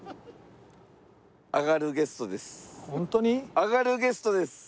上がるゲストです！